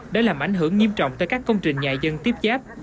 đã làm ảnh hưởng nghiêm trọng tới các công trình nhà dân tiếp giáp